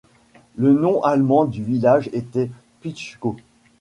Le nom allemand du village était Pitschkau.